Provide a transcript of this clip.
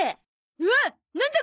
うわっなんだ！？